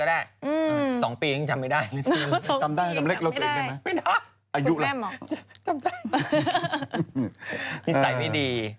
ถ้าเราไม่พูดถึงเรื่องนี้